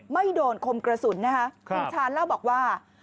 ไม่โดนคมกระสุนนะคะคุณชาญเล่าบอกว่า